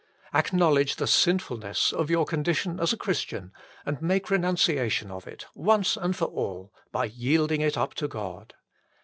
Acknowledge the sinfulness of your condition as a Christian and make renunciation of it, once and for all, by yielding it up to God.